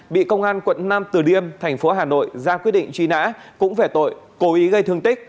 bị công an quận nam từ liêm thành phố hà nội ra quyết định truy nã cũng về tội cố ý gây thương tích